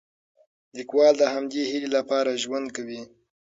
لیکوال د همدې هیلې لپاره ژوند کوي.